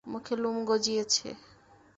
মুখে লোম গজিয়েছে।